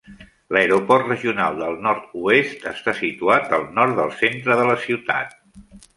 L'aeroport regional del nord-oest està situat al nord del centre de la ciutat.